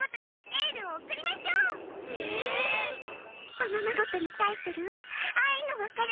おままごとのタイトルは「愛の別れ。